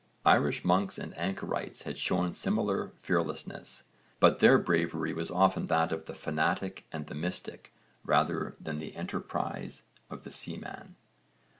Irish monks and anchorites had shown similar fearlessness, but their bravery was often that of the fanatic and the mystic rather than the enterprise of the seaman.